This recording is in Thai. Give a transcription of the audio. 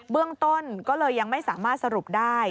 เรื่องต้นก็เลยยังไม่สามารถสรุปได้